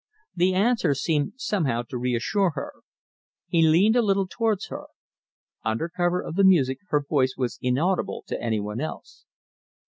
The answer seemed somehow to reassure her. She leaned a little towards him. Under cover of the music her voice was inaudible to any one else.